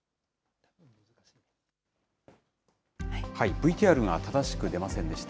ＶＴＲが正しく出ませんでした。